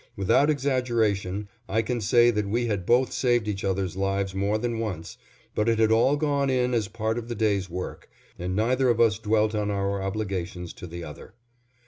Without exaggeration, I can say that we had both saved each other's lives more than once, but it had all gone in as part of the day's work, and neither of us dwelt on our obligations to the other.